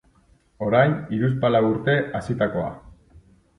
Orain hiruzpalau urte hasitakoa.